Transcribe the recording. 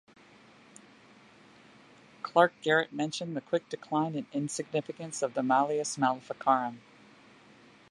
Clarke Garrett mentioned the quick decline and insignificance of the "Malleus Maleficarum".